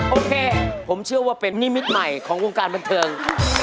โอเคผมเชื่อว่าเป็นนิมิตใหม่ของวงการบันเทิง